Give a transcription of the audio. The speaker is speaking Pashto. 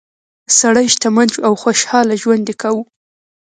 سړی شتمن شو او خوشحاله ژوند یې کاوه.